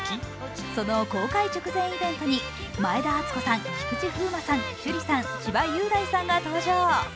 その公開直前イベントに前田敦子さん、菊池風磨さん、趣里さん、千葉雄大さんが登場。